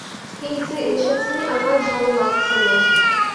এই যে এসেছি, আমার ভালো লাগছে না!